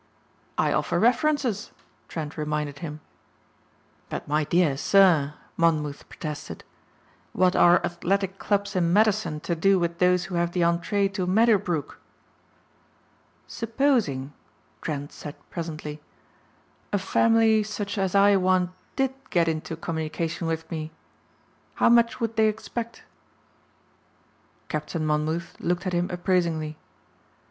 "I offer references," Trent reminded him. "But my dear sir," Monmouth protested, "what are athletic clubs in Madison to do with those who have the entrée to Meadowbrook?" "Supposing," Trent said presently, "a family such as I want did get into communication with me, how much would they expect?" Captain Monmouth looked at him appraisingly.